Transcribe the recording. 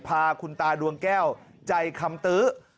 พาคุณตาดวงแก้วใจคำตื้อ